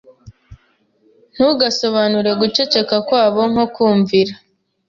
Ntugasobanure guceceka kwabo nko kumvira.